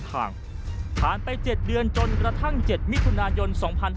ผ่านไป๗เดือนจนกระทั่ง๗มิถุนายน๒๕๕๙